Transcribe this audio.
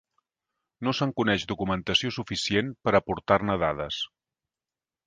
No se'n coneix documentació suficient per aportar-ne dades.